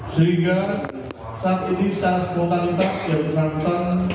sehingga saat ini saat sekolah sekolah yang disangkutkan